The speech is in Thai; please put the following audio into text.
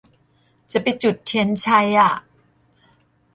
จะไปจุดเทียนชัยอ่ะ